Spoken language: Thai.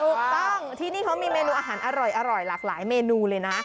ถูกต้องที่นี่เขามีเมนูอาหารอร่อยหลากหลายเมนูเลยนะ